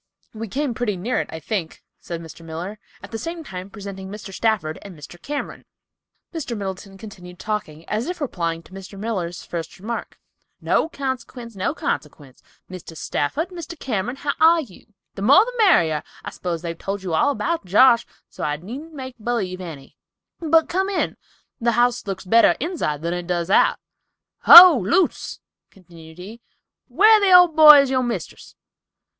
"We came pretty near it, I think," said Mr. Miller, at the same time presenting Mr. Stafford and Mr. Cameron. Mr. Middleton continued talking, as if replying to Mr. Miller's first remark. "No consequence, no consequence, Mr. Stafford, Mr. Cameron, how are you? The more the merrier. I s'pose they've told you all about Josh, so I needn't make b'lieve any—but come in—the house looks better inside than it does out." "Ho, Luce," continued he, "where the old boy is your mistress?